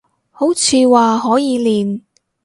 好似話可以練